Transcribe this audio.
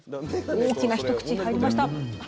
大きな一口、入りました。